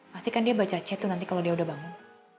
pastikan dia baca chat tuh nanti kalau dia udah bangun